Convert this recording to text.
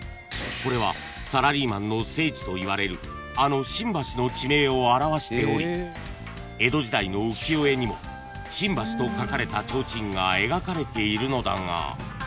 ［これはサラリーマンの聖地といわれるあの新橋の地名を表しており江戸時代の浮世絵にも「志ん橋」と書かれた提灯が描かれているのだが］